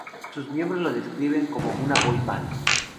Sus miembros lo describen como una boy band.